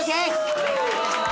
お願いします！